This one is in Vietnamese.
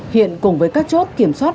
hiện cùng với các chốt kiểm soát